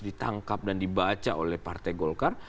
ditangkap dan dibaca oleh partai golkar